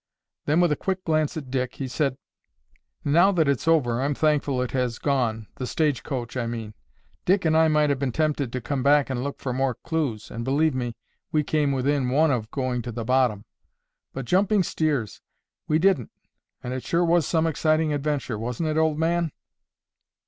Then, with a quick glance at Dick, he said, "Now that it's over, I'm thankful it has gone,—the stage coach, I mean. Dick and I might have been tempted to come back and look for more clues, and believe me, we came within one of going to the bottom, but Jumping Steers! we didn't, and it sure was some exciting adventure, wasn't it, old man?"